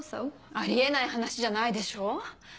あり得ない話じゃないでしょ？